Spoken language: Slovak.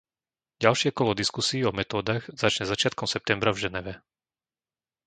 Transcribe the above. Ďalšie kolo diskusií o metódach začne začiatkom septembra v Ženeve.